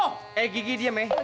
eh gigi diem ya